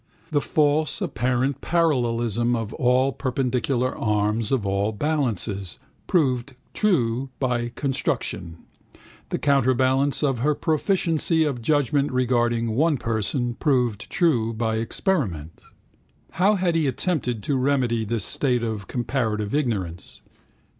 The false apparent parallelism of all perpendicular arms of all balances, proved true by construction. The counterbalance of her proficiency of judgment regarding one person, proved true by experiment. How had he attempted to remedy this state of comparative ignorance?